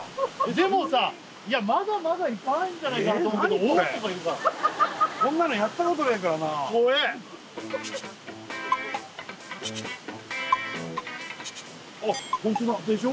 でもさいやまだまだいっぱいあるんじゃないかなと思うけどおっとか言うからこんなのやったことねえからな怖えあっホントだでしょ？